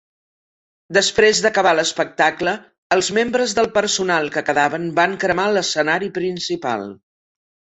Després d'acabar l'espectacle, els membres del personal que quedaven van cremar l'escenari principal.